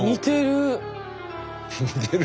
似てる。